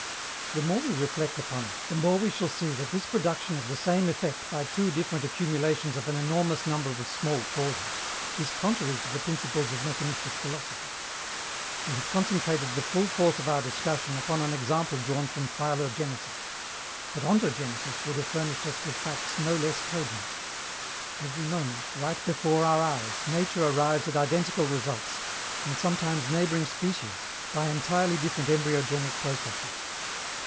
The more we reflect upon it, the more we shall see that this production of the same effect by two different accumulations of an enormous number of small causes is contrary to the principles of mechanistic philosophy. We have concentrated the full force of our discussion upon an example drawn from phylogenesis. But ontogenesis would have furnished us with facts no less cogent. Every moment, right before our eyes, nature arrives at identical results, in sometimes neighboring species, by entirely different embryogenic processes.